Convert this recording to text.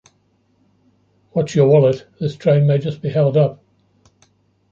Watch your wallet - this train may just be held up!